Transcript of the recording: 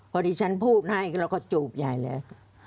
พอดีฉันพูดให้เราก็จูบใหญ่เลย